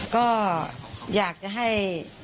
ก็อยากจะให้